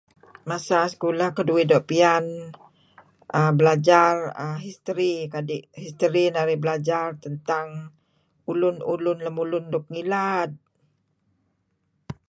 Masa sekulah keduih doo' piyan err belajar err history, kadi history narih belajar tentang ulun ulun lemulun luk ngilad.